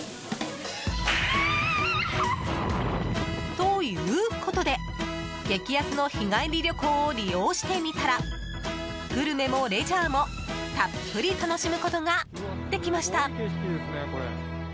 ということで、激安の日帰り旅行を利用してみたらグルメもレジャーもたっぷり楽しむことができました。